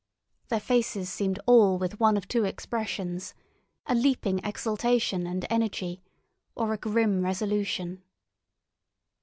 Their faces seemed all with one of two expressions—a leaping exultation and energy or a grim resolution.